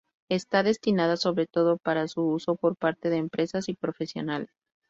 Está destinada sobre todo para su uso por parte de empresas y profesionales.